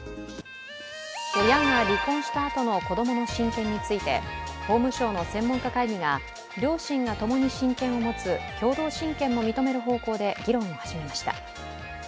親が離婚したあとの子供の親権について法務省の専門家会議が両親が共に親権を持つ共同親権も認める方向で議論を始めました。